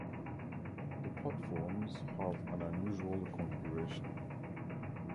The platforms have an unusual configuration.